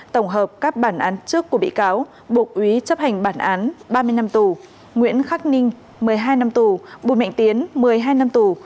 tổng hợp các bản án trước của bị cáo buộc úy chấp hành bản án ba mươi năm tù nguyễn khắc ninh một mươi hai năm tù bùi mạnh tiến một mươi hai năm tù